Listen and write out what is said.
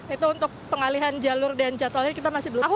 itu untuk pengalihan jalur dan jadwalnya kita masih belum tahu